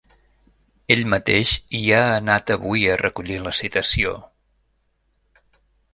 Ell mateix hi ha anat avui a recollir la citació.